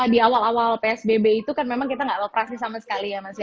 di awal awal psbb itu kan memang kita nggak operasi sama sekali ya mas ya